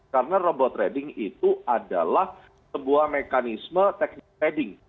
karena robot trading itu adalah sebuah mekanisme teknik trading